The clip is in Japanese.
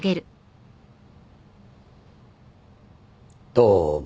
どうも。